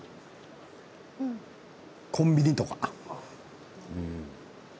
コンビニとか？